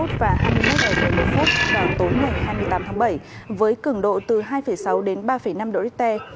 tối ngày hai mươi tám tháng bảy với cứng độ từ hai sáu đến ba năm độ rite